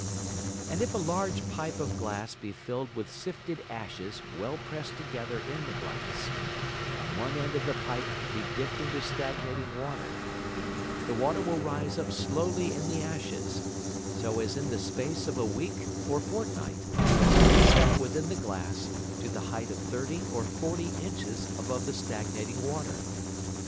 And if a large Pipe of Glass be filled with sifted Ashes well pressed together in the Glass, and one end of the Pipe be dipped into stagnating Water, the Water will rise up slowly in the Ashes, so as in the space of a Week or Fortnight to reach up within the Glass, to the height of 30 or 40 Inches above the stagnating Water.